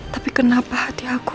tapi kenapa hati aku